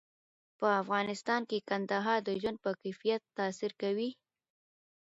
په افغانستان کې کندهار د ژوند په کیفیت تاثیر کوي.